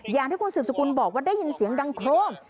อย่างที่คุณสืบสกุลบอกว่าได้ยินเสียงดังโครม